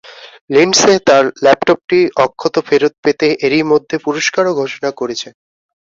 Lindsay তাঁর ল্যাপটপটি অক্ষত ফেরত পেতে এরই মধ্যে পুরস্কারও ঘোষণা করেছেন।